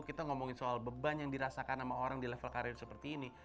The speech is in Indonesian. kita ngomongin soal beban yang dirasakan sama orang di level karir seperti ini